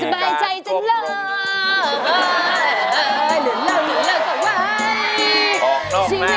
สบายใจจังแล้ว